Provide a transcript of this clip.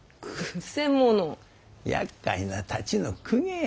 やっかいなタチの公家や。